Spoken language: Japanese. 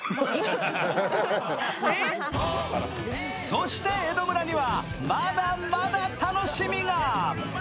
そして、江戸村にはまだまだ楽しみが！